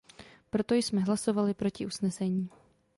Proto jsme hlasovali proti usnesení.